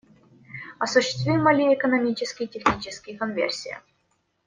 Осуществима ли экономически и технически конверсия?